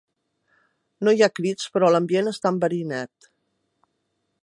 No hi ha crits, però l'ambient està enverinat.